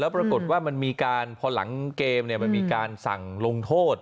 ปรากฏว่ามันมีการพอหลังเกมมันมีการสั่งลงโทษ